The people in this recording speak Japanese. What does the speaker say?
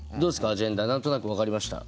アジェンダ何となく分かりました？